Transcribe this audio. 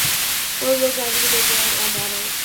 Four-wheel drive is available on all models.